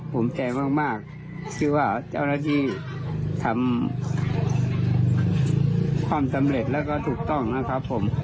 ภูมิใจมากที่ว่าเจ้าหน้าที่ทำความสำเร็จแล้วก็ถูกต้องนะครับผม